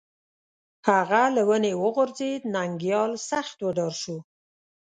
هغه له ونې وغورځېد، ننگيال سخت وډار شو